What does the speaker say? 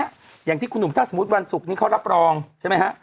อย่างที่คุณหนุ่มถ้าสมมุติวันศุกร์นี้เขารับรองใช่ไหมฮะ